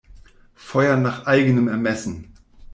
Feuern nach eigenem Ermessen!